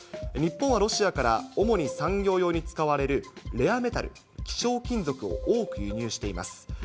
日本はロシアから、主に産業用に使われるレアメタル・希少金属を多く輸入しています。